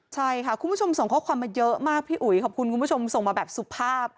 ใช่ค่ะคุณผู้ชมส่งข้อความมาเยอะมากพี่อุ๋ยขอบคุณคุณผู้ชมส่งมาแบบสุภาพ